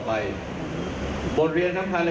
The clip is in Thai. ไปประเมิดฐานการณ์